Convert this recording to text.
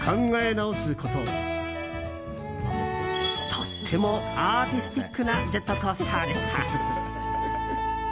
とてもアーティスティックなジェットコースターでした。